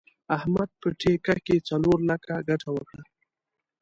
احمد په ټېکه کې څلور لکه ګټه وکړه.